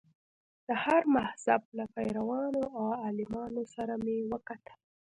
د هر مذهب له پیروانو او عالمانو سره مې وکتل.